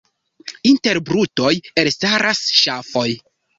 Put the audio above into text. Inter brutoj elstaras ŝafoj.